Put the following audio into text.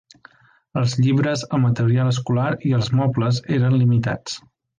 Els llibres, el material escolar i els mobles eren limitats.